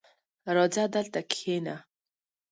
راځه دلته کښېنه!